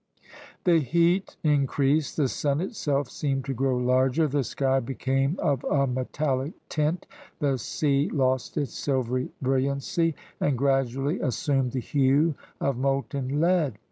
The heat increased the sun itself seemed to grow larger the sky became of a metallic tint, the sea lost its silvery brilliancy, and gradually assumed the hue of molten lead.